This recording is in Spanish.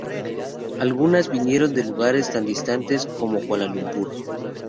Algunas vinieron de lugares tan distantes como Kuala Lumpur.